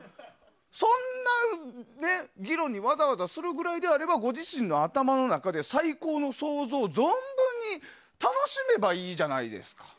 そんな議論にわざわざするぐらいであればご自身の頭の中で最高の想像を存分に楽しめばいいじゃないですか。